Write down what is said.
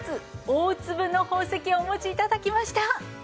大粒の宝石をお持ち頂きました。